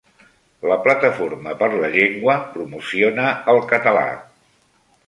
La Plataforma per la Llengua promociona el català